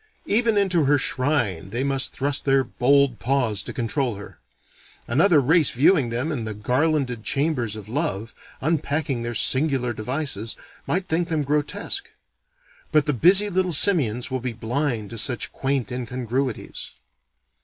Even into her shrine they must thrust their bold paws to control her. Another race viewing them in the garlanded chambers of love, unpacking their singular devices, might think them grotesque: but the busy little simians will be blind to such quaint incongruities.